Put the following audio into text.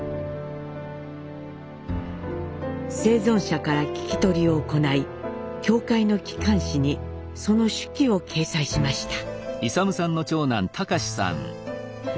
生存者から聞き取りを行い教会の機関紙にその手記を掲載しました。